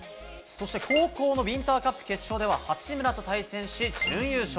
高校のウインターカップ決勝では八村と対戦し準優勝。